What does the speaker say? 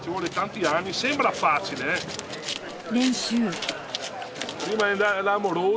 練習。